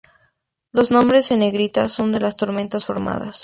Los nombres en negrita son de las tormentas formadas.